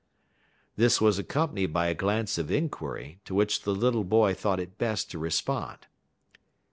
This was accompanied by a glance of inquiry, to which the little boy thought it best to respond.